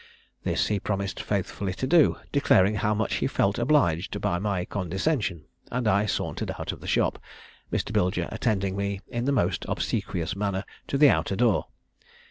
This he promised faithfully to do, declaring how much he felt obliged by my condescension; and I sauntered out of the shop, Mr. Bilger attending me in the most obsequious manner to the outer door.